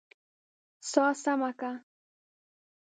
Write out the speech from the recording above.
سا سمه که!